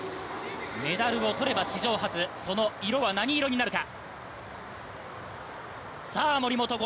メダルを取れば史上初、その色は何色になるか！？